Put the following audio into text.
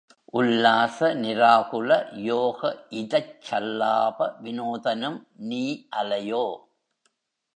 உல்லாச நிராகுல, யோகஇதச் சல்லாப விநோதனும் நீஅலையோ?